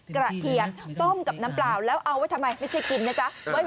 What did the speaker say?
เทียมต้มกับน้ำเปล่าแล้วเอาไว้ทำไมไม่ใช่กินนะจ๊ะ